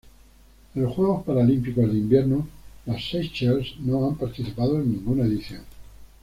En los Juegos Paralímpicos de Invierno las Seychelles no han participado en ninguna edición.